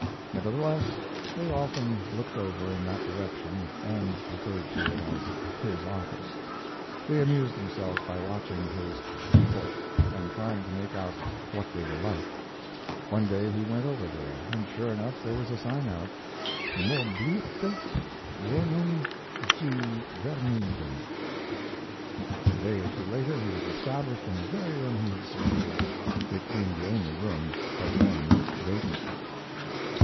Nevertheless, they often looked over in that direction and referred to it as his office. They amused themselves by watching his "people" and trying to make out what they were like. One day he went over there, and sure enough there was a sign out, "Moblirte Wohnung zu Vermiethen." A day or two later he was established in the very room he had selected, it being the only room but one vacant.